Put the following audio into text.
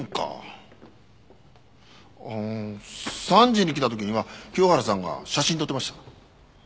うーん３時に来た時には清原さんが写真撮ってました。